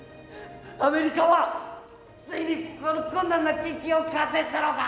アメリカはついにこの困難な研究を完成したのか。